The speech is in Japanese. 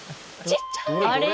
ちっちゃい！どれ！？